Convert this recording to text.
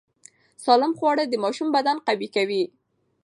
سالم خواړه د ماشوم بدن قوي کوي۔